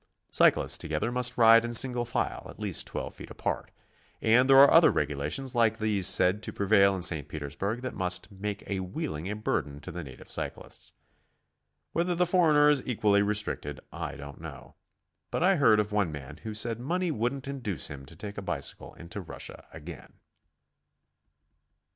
Cyclists together must ride in single file, at least 12 feet apart. And there are other regulations like these said to prevail in St. Petersburg that must make wheeling a burden to the native cyclist. Whether the foreigner is equally restricted, I don't know, but I heard of one man who said money wouldnT, induce him to take a bicycle into Russia again.